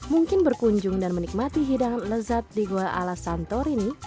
mungkin berkunjung dan menikmati hidangan lezat di gua ala santorini